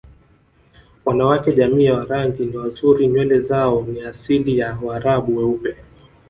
Wanawake jamii ya Warangi ni wazuri nywele zao ni asili ya waraabu weupe